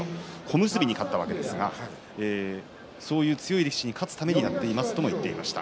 小結に勝ったわけですがそういう強い力士に勝つためにやっていますと言っていました。